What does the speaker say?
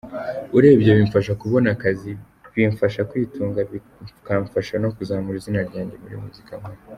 Urebye bimfasha kubona akazi, bimfasha kwitunga bikamfasha no kuzamura izina ryanjye muri muzika nkora .